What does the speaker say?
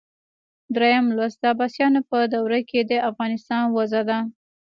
دریم لوست د عباسیانو په دوره کې د افغانستان وضع ده.